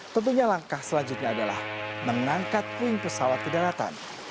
tentunya langkah selanjutnya adalah mengangkat puing pesawat ke daratan